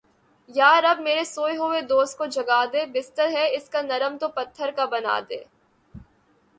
یا رب میرے سوئے ہوئے دوست کو جگا دے۔ بستر ہے اس کا نرم تو پتھر کا بنا دے